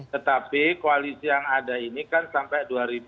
tetapi koalisi yang ada ini kan sampai dua ribu dua puluh